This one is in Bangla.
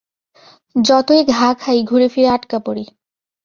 যতই ঘা খাই ঘুরে ফিরে আটকা পড়ি।